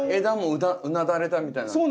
枝もうなだれたみたいな。